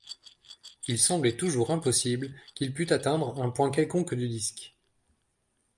Il semblait toujours impossible qu’il pût atteindre un point quelconque du disque.